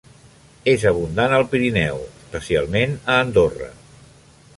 És abundant al Pirineu, especialment a Andorra.